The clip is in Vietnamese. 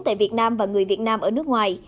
tại việt nam và người việt nam ở nước ngoài